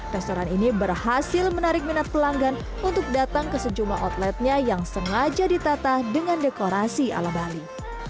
restoran ini berhasil menarik minat pelanggan untuk datang ke sejumlah outletnya yang sengaja ditata dengan dekorasi ala bali